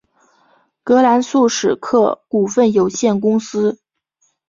葛兰素史克股份有限公司。